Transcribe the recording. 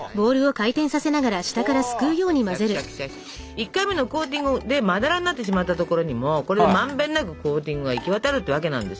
１回目のコーティングでまだらになってしまった所にもこれでまんべんなくコーティングが行き渡るってわけなんですよ。